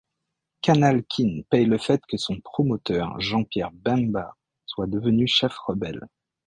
Canal Kin paye le fait que son promoteur, Jean-Pierre Bemba, soit devenu chef rebelle.